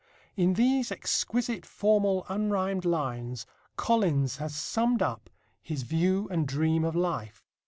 In these exquisite formal unrhymed lines, Collins has summed up his view and dream of life.